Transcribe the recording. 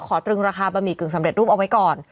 ตรึงราคาบะหมี่กึ่งสำเร็จรูปเอาไว้ก่อน